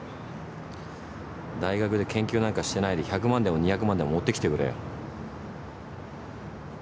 大学で研究なんかしてないで１００万でも２００万でも持ってきてくれよ。